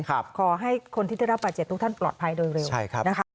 ขอให้คนที่ได้รับบาดเจ็บทุกท่านปลอดภัยโดยเร็วนะคะ